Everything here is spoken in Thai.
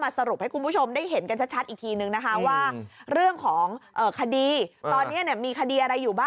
จะจำคุกรวม๑๐ปี